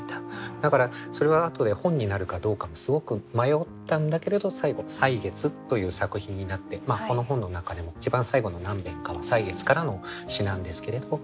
だからそれは後で本になるかどうかもすごく迷ったんだけれど最後「歳月」という作品になってこの本の中でも一番最後の何べんかは「歳月」からの詩なんですけれど。